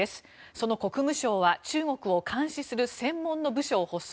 その国務省は中国を監視する専門の部署を発足。